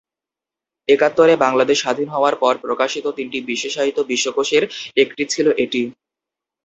একাত্তরে বাংলাদেশ স্বাধীন হওয়ার পর, প্রকাশিত তিনটি বিশেষায়িত বিশ্বকোষের একটি ছিল এটি।